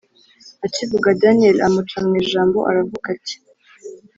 akivuga, daniel amuca mwijambo aravuga ati: